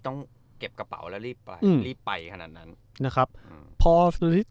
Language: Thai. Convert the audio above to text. ต้องเก็บกระเป๋าแล้วรีบไปรีบไปขนาดนั้นนะครับอืมพอซื้อ